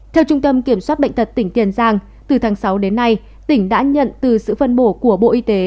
theo trung tâm kiểm soát bệnh tật tỉnh tiền giang từ tháng sáu đến nay tỉnh đã nhận từ sự phân bổ của bộ y tế